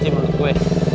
ya benci menurut gue